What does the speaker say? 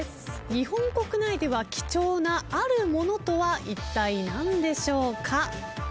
日本国内では貴重なあるものとはいったい何でしょうか？